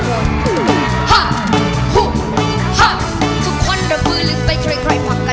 ฮะฮุฮะทุควรดรกลื่นไปคล้อยผ่านกัน